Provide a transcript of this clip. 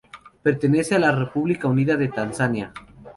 Pertenece a la República Unida de Tanzania.